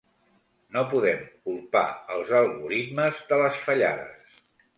No podem culpar els algoritmes de les fallades.